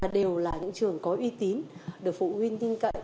đều là những trường có uy tín được phụ huynh tin cậy